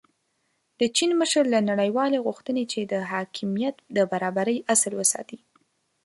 د چین مشر له نړیوالې غوښتي چې د حاکمیت د برابرۍ اصل وساتي.